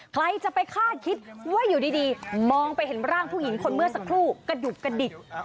ใครจะไปคาดคิดว่าอยู่ดีมองไปเห็นร่างผู้หญิงคนเมื่อสักครู่กระดุกกระดิก